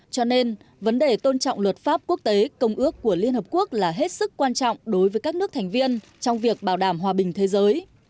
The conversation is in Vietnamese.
cho nên vấn đề tôn trọng luật pháp quốc tế công ước của liên hợp quốc là hết sức quan trọng đối với các nước thành viên trong việc bảo đảm hòa bình thế giới